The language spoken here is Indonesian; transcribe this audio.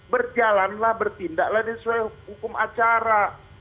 berjalanlah bertindaklah ini sesuai hukum acara